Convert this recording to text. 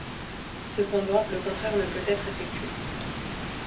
Cependant, le contraire ne peut être effectué.